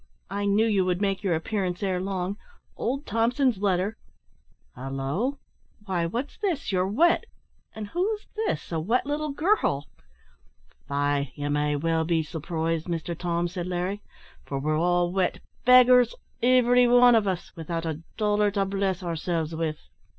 I knew you would make your appearance ere long. Old Thompson's letter halloo! why what's this? You're wet! and who's this a wet little girl?" "Faix, ye may well be surprised, Mister Tom," said Larry, "for we're all wet beggars, ivery wan o' us without a dollar to bless ourselves with."